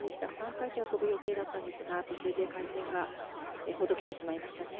３回転を跳ぶ予定だったんですが途中で回転がほどけてしまいましたね。